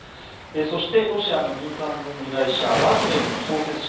そして、ロシアの民間軍事会社ワグネルの創設者